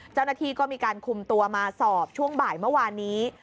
เจ้าหน้าที่ก็มีการคุมตัวมาสอบช่วงบ่ายเมื่อวานนี้